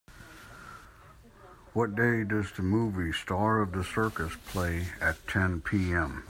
what day does the movie Star of the Circus play at ten PM